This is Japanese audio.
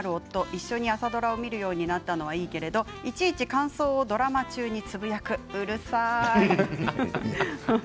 一緒に朝ドラを見るようになったのはいいけどいちいち感想をドラマ中につぶやく、うるさい。